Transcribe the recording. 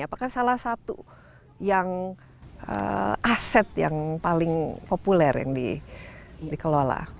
apakah salah satu yang aset yang paling populer yang dikelola